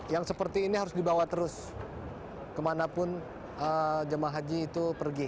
yang seperti ini harus dibawa terus kemanapun jemaah haji itu pergi